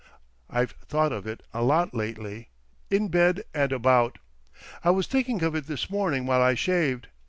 I've thought of it a lot lately—in bed and about. I was thinking of it this morning while I shaved.